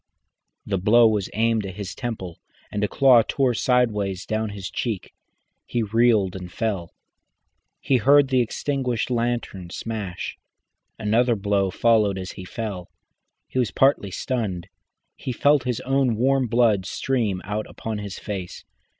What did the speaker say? The blow was aimed at his temple, and a claw tore sideways down to his cheek. He reeled and fell, and he heard the extinguished lantern smash. Another blow followed as he fell. He was partly stunned, he felt his own warm blood stream out upon his face.